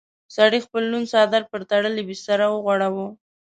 سړي خپل لوند څادر پر تړلې بستره وغوړاوه.